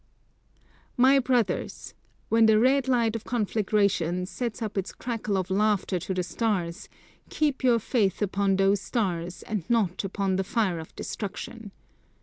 My brothers, when the red light of conflagration sends up its crackle of laughter to the stars, keep your faith upon those stars and not upon the fire of destruction.